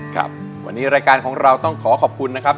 ครับวันนี้รายการของเราต้องขอขอบคุณนะครับ